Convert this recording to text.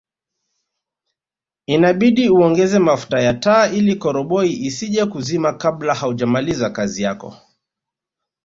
Inabidi uongeze mafuta ya taa ili koroboi isije kuzima kabla haujamaliza kazi yako